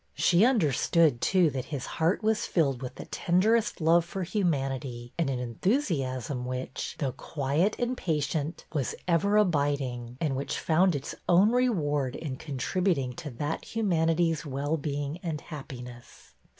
She understood, too, that his heart was filled with the tenderest love for humanity, and an enthusiasm IN THE STUDY 261 which, though quiet and patient, was ever abid ing, and which found its own reward in con tributing to that humanity's well being and happiness.